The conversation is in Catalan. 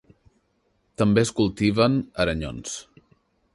També es cultiven aranyons.